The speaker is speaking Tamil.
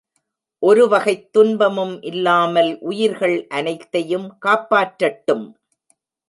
ஒரு வகைத் துன்பமும் இல்லாமல் உயிர்கள் அனைத்தையும் காப்பாற்றட்டும்!